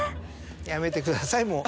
やめてくださいもう。